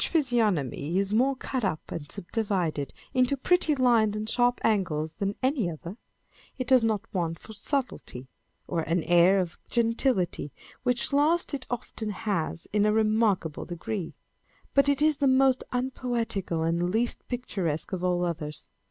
physiognomy is more cut up and subdivided into petty lines and sharp angles than any other : it does not want for subtlety, or an air of gentility, which last it often has in a remarkable degree, â€" but it is the most unpoetical and the least picturesque of all others.